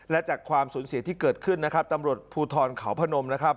และจากความสูญเสียที่เกิดขึ้นนะครับตำรวจภูทรเขาพนมนะครับ